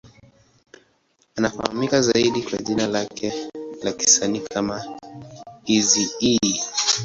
Anafahamika zaidi kwa jina lake la kisanii kama Eazy-E.